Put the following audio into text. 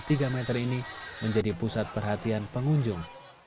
yang lebar tiga meter ini menjadi pusat perhatian pengunjung